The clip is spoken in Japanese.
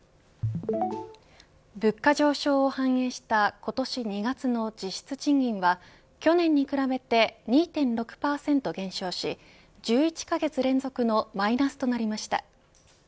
物価上昇を反映した今年２月の実質賃金は去年に比べて２．６％減少し１１カ月連続のマイナスとなりました。